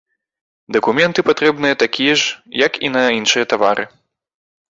Дакументы патрэбныя такія ж, як і на іншыя тавары.